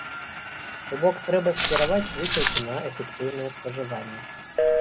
То бок трэба скіраваць высілкі на эфектыўнае спажыванне.